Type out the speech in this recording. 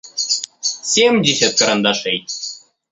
семьдесят карандашей